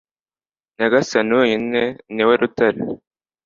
nyagasani wenyine, ni we rutare